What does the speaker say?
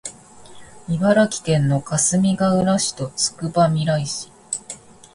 茨城県のかすみがうら市とつくばみらい市